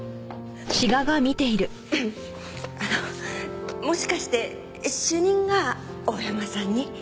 あのもしかして主任が大山さんに？